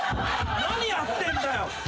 何やってんだよ。